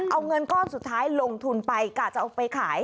เอาเงินก้อนสุดท้ายลงทุนไปกะจะเอาไปขาย